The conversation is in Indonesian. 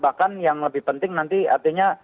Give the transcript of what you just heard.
bahkan yang lebih penting nanti artinya